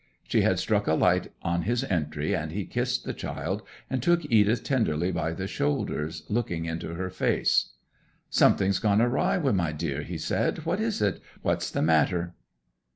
She had struck a light on his entry, and he kissed the child, and took Edith tenderly by the shoulders, looking into her face. 'Something's gone awry wi' my dear!' he said. 'What is it? What's the matter?'